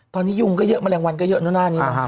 ตอนนี้ยุงก็เยอะแมลงวันก็เยอะหน้านี่เหรอ